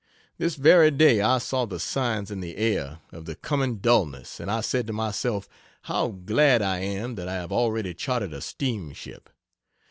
This very day I saw the signs in the air of the coming dullness, and I said to myself, "How glad I am that I have already chartered a steamship!"